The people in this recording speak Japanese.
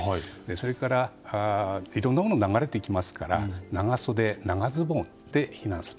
それからいろんなものが流れてきますから長袖・長ズボンで避難する。